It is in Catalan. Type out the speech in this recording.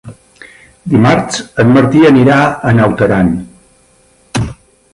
Dimarts en Martí anirà a Naut Aran.